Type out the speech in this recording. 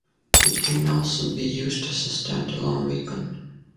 It can also be used as a stand-alone weapon.